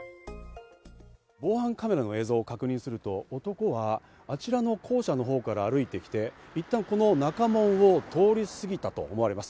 防犯カメラの映像を確認すると男はあちらの校舎の方から歩いてきて、いったんこの中門を通り過ぎたと思われます。